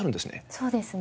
そうですね。